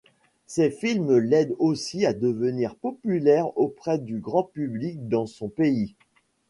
Ces films l'aide aussi à devenir populaire auprès du grand public dans son pays.